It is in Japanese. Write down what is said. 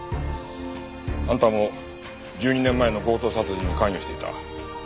あんたも１２年前の強盗殺人に関与していた。